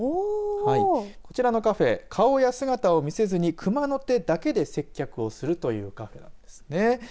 こちらのカフェ顔や姿を見せずにくまの手だけで接客をするというカフェなんですね。